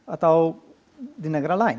atau di negara lain